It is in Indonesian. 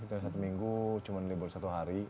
itu satu minggu cuma libur satu hari